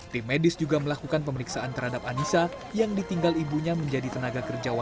tim medis juga melakukan pemeriksaan terhadap anissa yang ditinggal ibunya menjadi tenaga kerja wanita